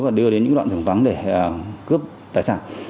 và đưa đến những đoạn rừng vắng để cướp tài sản